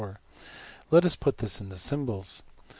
Let us put this into symbols.